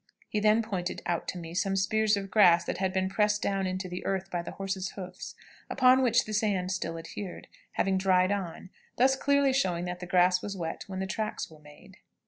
He then pointed out to me some spears of grass that had been pressed down into the earth by the horses' hoofs, upon which the sand still adhered, having dried on, thus clearly showing that the grass was wet when the tracks were made.